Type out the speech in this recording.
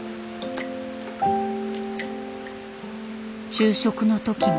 昼食の時も。